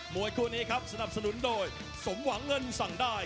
วยคู่นี้ครับสนับสนุนโดยสมหวังเงินสั่งได้